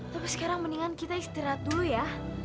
tapi sekarang mendingan kita istirahat dulu ya